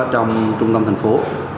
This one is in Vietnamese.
trong trung tâm thành phố